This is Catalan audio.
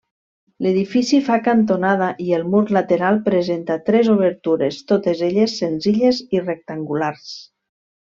L'edifici fa cantonada i el mur lateral presenta tres obertures, totes elles senzilles i rectangulars.